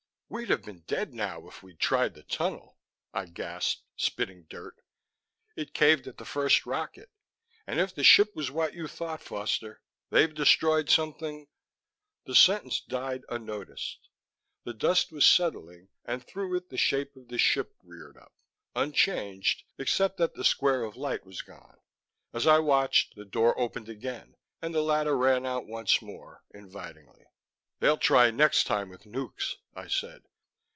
"We'd have been dead now if we'd tried the tunnel," I gasped spitting dirt. "It caved at the first rocket. And if the ship was what you thought, Foster, they've destroyed something " The sentence died unnoticed. The dust was settling and through it the shape of the ship reared up, unchanged except that the square of light was gone. As I watched, the door opened again and the ladder ran out once more, invitingly. "They'll try next time with nukes," I said.